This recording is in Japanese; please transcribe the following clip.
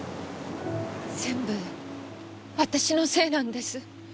全部私のせいなんです。